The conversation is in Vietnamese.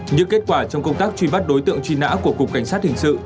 những kết quả trong công tác truy bắt đối tượng truy nã của cục cảnh sát hình sự